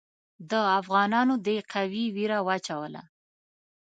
د افغانانو دې قوې وېره واچوله.